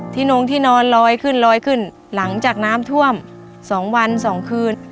นงที่นอนลอยขึ้นลอยขึ้นหลังจากน้ำท่วม๒วัน๒คืน